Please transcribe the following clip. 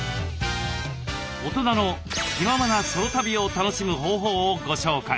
大人の「気ままなソロ旅」を楽しむ方法をご紹介。